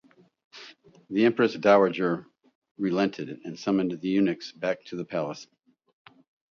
The empress dowager relented and summoned the eunuchs back to the palace.